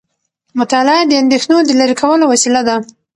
مطالعه د اندیښنو د لرې کولو وسیله ده.